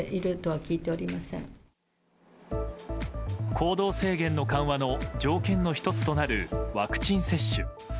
行動制限の緩和の条件の１つとなるワクチン接種。